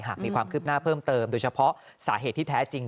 หากมีความคืบหน้าเพิ่มเติมโดยเฉพาะสาเหตุที่แท้จริง